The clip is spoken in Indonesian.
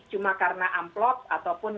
cuma karena amplot ataupun